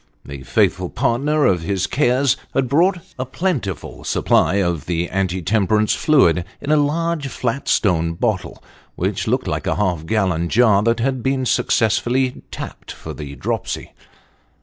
The faith ful partner of his cares had brought a plentiful supply of the anti temperance fluid in a large flat stone bottle, which looked like a half gallon jar that had been successfully tapped for the dropsy.